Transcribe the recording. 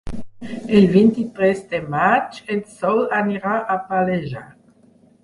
El vint-i-tres de maig en Sol anirà a Pallejà.